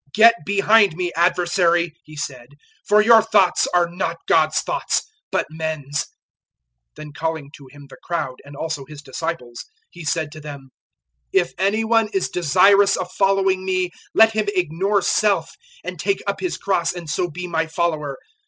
"Get behind me, Adversary," He said, "for your thoughts are not God's thoughts, but men's." 008:034 Then calling to Him the crowd and also His disciples, He said to them, "If any one is desirous of following me, let him ignore self and take up his cross, and so be my follower.